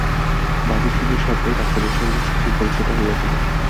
বাজিতপুরের সরকারি ডাক্তারের সঙ্গে শশীর ঘনিষ্ঠতা হইয়াছিল।